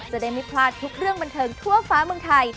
จะได้ไม่พลาดทุกเรื่องบันเทิงทั่วฟ้าเมืองไทย